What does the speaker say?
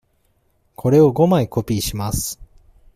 これを五枚コピーします。